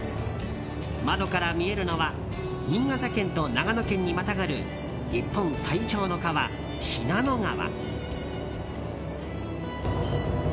窓から見えるのは新潟県と長野県にまたがる日本最長の川・信濃川。